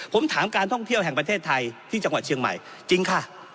ผมถามการท่องเที่ยวแห่งประเทศไทยที่จังหวัดเชียงใหม่จริงค่ะ